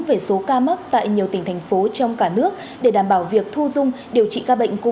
về số ca mắc tại nhiều tỉnh thành phố trong cả nước để đảm bảo việc thu dung điều trị ca bệnh covid một mươi chín